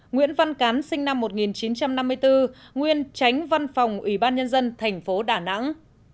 một nguyễn văn cán sinh năm một nghìn chín trăm năm mươi bốn nguyên tránh văn phòng ủy ban nhân dân tp đà nẵng